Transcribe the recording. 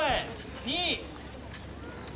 ２。